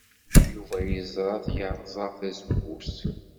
Yuba yeẓra-t yerẓa tazewwut.